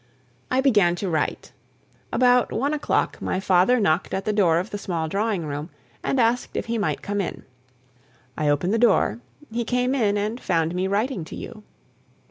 I began to write. About one o'clock my father knocked at the door of the small drawing room and asked if he might come in. I opened the door; he came in, and found me writing to you.